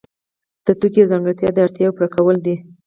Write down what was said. د توکو یوه ځانګړتیا د اړتیاوو پوره کول دي.